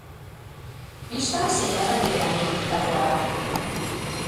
Pistan zein errepidean ibilitakoa da.